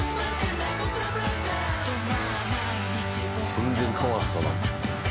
「全然変わったなあ」